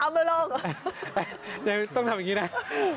ต้องทำอย่างนี้ได้